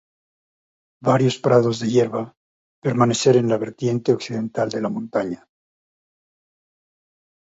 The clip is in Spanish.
Varios prados de hierba permanecer en la vertiente occidental de la montaña.